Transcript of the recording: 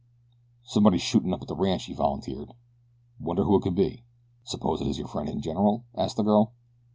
"Somebody's shootin' up the ranch," he volunteered. "Wonder who it could be." "Suppose it is your friend and general?" asked the girl.